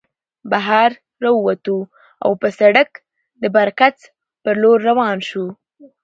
بهر راووتو او پۀ سړک د برکڅ په لور روان شو